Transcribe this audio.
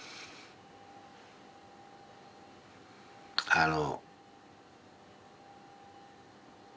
あの。